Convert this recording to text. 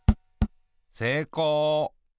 せいこう。